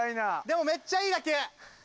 でもめっちゃいい打球。